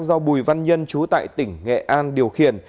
do bùi văn nhân chú tại tỉnh nghệ an điều khiển